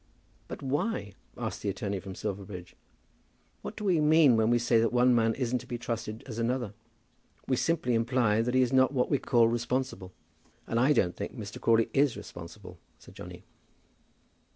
"But why?" asked the attorney from Silverbridge. "What do we mean when we say that one man isn't to be trusted as another? We simply imply that he is not what we call responsible." "And I don't think Mr. Crawley is responsible," said Johnny.